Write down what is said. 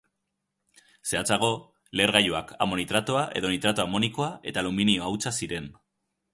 Zehatzago, lehergailuak amonitratoa edo nitrato amonikoa eta aluminio hautsa ziren.